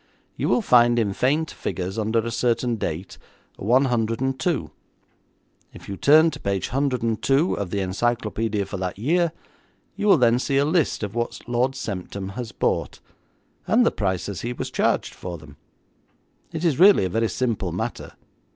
You will find in faint figures under a certain date, 102. If you turn to page 102 of the encyclopaedia for that year, you will then see a list of what Lord Semptam has bought, and the prices he was charged for them. It is really a very simple matter.